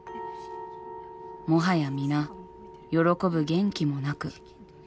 もはや皆喜ぶ元気もなく。